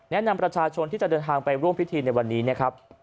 แนะนำประชาชนที่จะเดินทางไปร่วมพิธีในวันนี้นะครับ